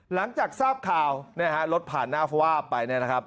หลังจากทราบข่าวรถผ่านหน้าฟวาบไปนะครับ